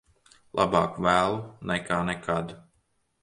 Labāk vēlu nekā nekad.